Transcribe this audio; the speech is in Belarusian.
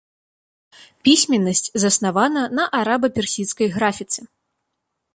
Пісьменнасць заснавана на араба-персідскай графіцы.